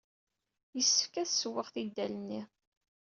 Yessefk ad ssewweɣ tidal-nni.